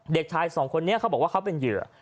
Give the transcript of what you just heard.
เด็กชายสองคนนี้เขาบอกว่าเขาเป็นเหยื่อ